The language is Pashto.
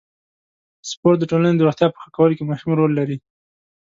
سپورت د ټولنې د روغتیا په ښه کولو کې مهم رول لري.